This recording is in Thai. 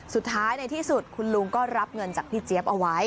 สุดท้ายในที่สุดคุณลุงก็รับเงินจากพี่เจี๊ยบเอาไว้